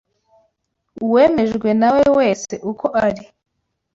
uwemejwe na we wese uko ari